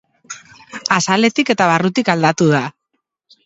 Azaletik eta barrutik aldatu da.